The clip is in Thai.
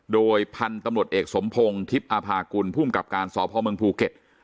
โดยพันธุ์ตำรวจเอกสมพงศ์ทิพย์อาภากุลภูมิกับการสพเมืองภูเก็ต